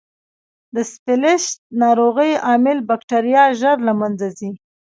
د سفلیس ناروغۍ عامل بکټریا ژر له منځه ځي.